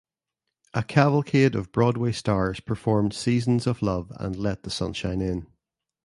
A cavalcade of Broadway stars performed "Seasons of Love" and "Let the Sunshine In".